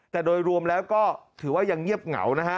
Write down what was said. แต่โดยรวมแล้วก็ถือว่ายังเงียบเหงานะฮะ